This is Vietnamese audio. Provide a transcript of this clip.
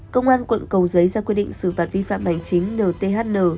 công an quận cầu giấy ra quy định xử phạt vi phạm bản chính nthn